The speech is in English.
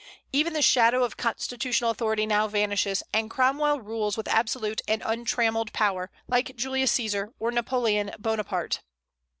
Even the shadow of constitutional authority now vanishes, and Cromwell rules with absolute and untrammelled power, like Julius Caesar or Napoleon Bonaparte.